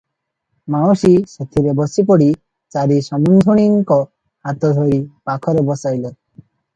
ମାଉସୀ ସେଥିରେ ବସିପଡ଼ି ଚାରି ସମୁନ୍ଧୁଣୀଙ୍କ ହାତଧରି ପାଖରେ ବସାଇଲେ ।